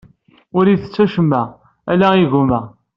Ur ittett acemma, ala igumma.